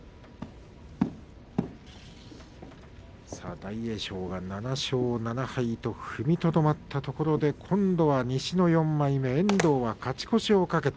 大栄翔が７勝７敗と踏みとどまったところで今度は西の４枚目遠藤が勝ち越しを懸けて